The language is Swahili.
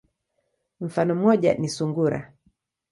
Mfano moja ni sungura.